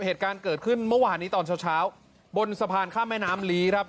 เหตุการณ์เกิดขึ้นเมื่อวานนี้ตอนเช้าเช้าบนสะพานข้ามแม่น้ำลีครับ